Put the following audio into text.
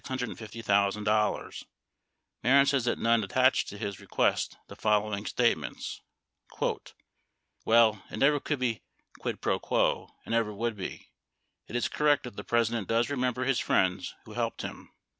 Mehren says that Nunn attached to his request the following statements : "Well, it never could be quid fro quo , and never would be. It is correct that, the President does remem ber his friends who helped him."